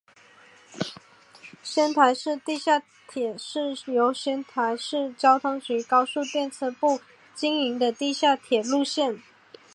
仙台市地下铁是由仙台市交通局高速电车部经营的地下铁路线。